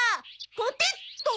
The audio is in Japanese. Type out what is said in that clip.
ポテット。